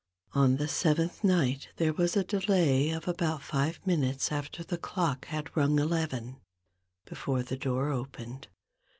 On the seventh night there was a delay of about five minutes after the clock had rung eleven, before the door opened.